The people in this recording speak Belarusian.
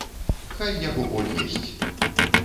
Хай яго боль есць!